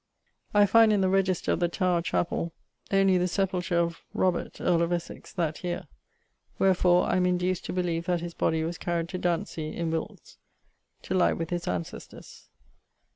I find in the register of the Tower chapell only the sepulture of Robert, earl of Essex, that yeare; wherfore I am induced to beleeve that his body was carryed to Dantesey[CX] in Wilts to lye with his ancestors.